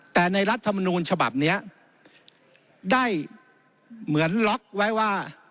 แต่ในรัฐมนูลฉบับนี้ได้เหมือนล็อกไว้ว่า